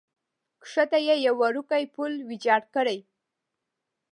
کښته یې یو وړوکی پل ویجاړ کړی.